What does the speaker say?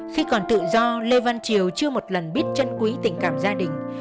khi còn tự do lê văn triều chưa một lần biết chân quý tình cảm gia đình